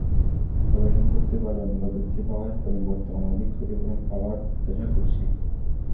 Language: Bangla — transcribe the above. তবে সম্পত্তির বাজারমূল্য বৃদ্ধি পাওয়ায় করিম বর্তমানে অধিক ক্ষতিপূরণ পাওয়ার প্রত্যাশা করছে।